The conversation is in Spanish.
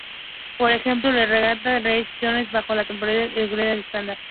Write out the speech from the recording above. Por ejemplo, la recta real es Tíjonov bajo la topología euclidiana estándar.